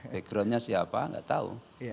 backgroundnya siapa tidak tahu